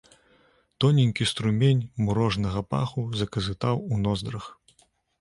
Тоненькі струмень мурожнага паху заказытаў у ноздрах.